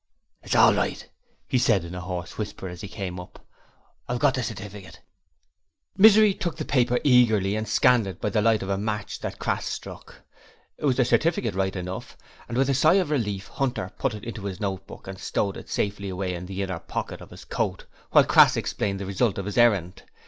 'It's all right,' he said in a hoarse whisper as he came up. I've got the stifficut.' Misery took the paper eagerly and scanned it by the light of a match that Crass struck. It was the certificate right enough, and with a sigh of relief Hunter put it into his note book and stowed it safely away in the inner pocket of his coat, while Crass explained the result of his errand.